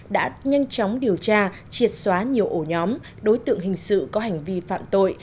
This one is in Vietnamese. đã nhanh chóng điều tra triệt xóa nhiều ổ nhóm đối tượng hình sự có hành vi phạm tội